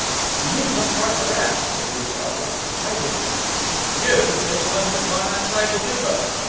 "You needn't look far for that," said Rouletabille. "I did it." "You! Then you must have gone outside the touba?"